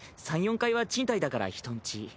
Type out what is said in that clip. ３４階は賃貸だから人ん家。